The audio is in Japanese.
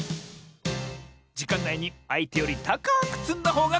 じかんないにあいてよりたかくつんだほうがかちサボよ！